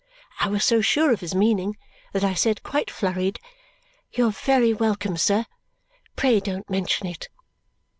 I was so sure of his meaning that I said, quite flurried, "You are very welcome, sir. Pray don't mention it!"